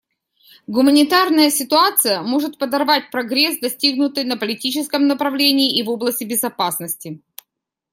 Гуманитарная ситуация может подорвать прогресс, достигнутый на политическом направлении и в области безопасности.